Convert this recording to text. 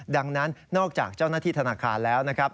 ดังนั้นนอกจากเจ้าหน้าที่ธนาคารแล้วนะครับ